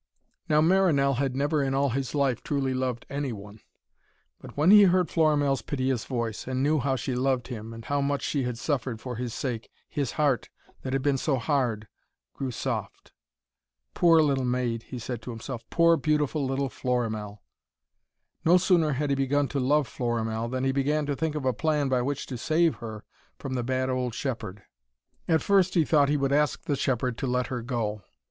Now Marinell had never in all his life truly loved any one. But when he heard Florimell's piteous voice, and knew how she loved him, and how much she had suffered for his sake, his heart, that had been so hard, grew soft. 'Poor little maid,' he said to himself, 'poor, beautiful little Florimell.' No sooner had he begun to love Florimell, than he began to think of a plan by which to save her from the bad old shepherd. At first, he thought he would ask the shepherd to let her go.